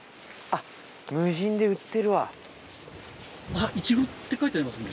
あっ「いちご」って書いてありますね。